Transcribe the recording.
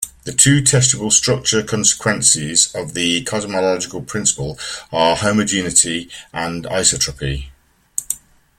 The two testable structural consequences of the cosmological principle are homogeneity and isotropy.